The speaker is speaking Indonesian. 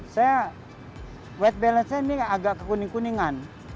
saya white balance nya ini agak kekuning kuningan